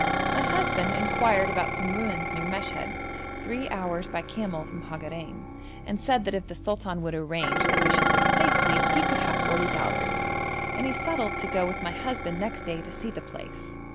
My husband inquired about some ruins near Meshed, three hours by camel from Hagarein, and said that if the sultan would arrange that we should dig safely, he should have forty dollars, and he settled to go with my husband next day to see the place.